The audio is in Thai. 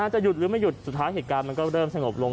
จะหยุดหรือไม่หยุดสุดท้ายเหตุการณ์มันก็เริ่มสงบลง